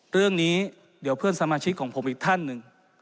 เรื่องนี้เดี๋ยวเพื่อนสมาชิกของผมอีกท่านหนึ่ง